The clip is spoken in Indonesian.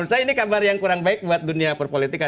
nah ini kabar yang kurang baik buat dunia perpolitik